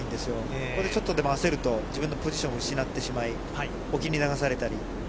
ここでちょっとでも焦ると自分のポジションを失ってしまい、沖に流されたり、